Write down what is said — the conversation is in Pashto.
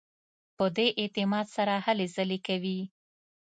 په دې اعتماد سره هلې ځلې کوي.